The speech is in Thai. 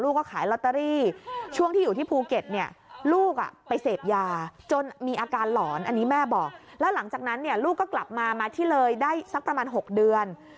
แล้วหลังจากนั้นลูกก็กลับมามัทได้สักประมาณ๖เดือน